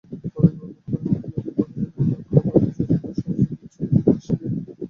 পরেশবাবু হরিমোহিনীকে কহিলেন, আমি আপনার বাড়িতে জিনিসপত্র সমস্ত গুছিয়ে দিয়ে আসি গে।